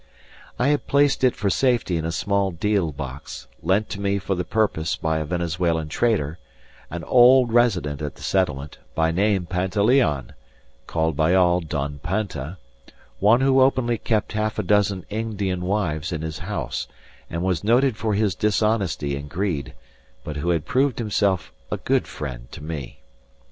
I had placed it for safety in a small deal box, lent to me for the purpose by a Venezuelan trader, an old resident at the settlement, by name Pantaleon called by all Don Panta one who openly kept half a dozen Indian wives in his house, and was noted for his dishonesty and greed, but who had proved himself a good friend to me.